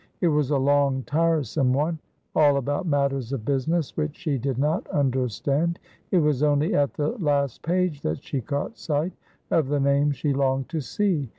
It was a long, tiresome one, all about matters of business which she did not understand; it was only at the last page that she caught sight of the name she longed to see.